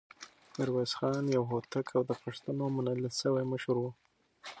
ميرويس خان يو هوتک او د پښتنو منل شوی مشر و.